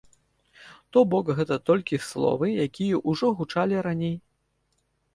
То бок, гэта толькі словы, якія ўжо гучалі раней.